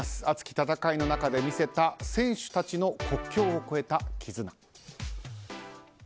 熱き戦いの中で見せた選手たちの国境を越えた絆。